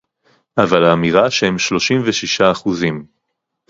אבל האמירה שהם שלושים ושישה אחוזים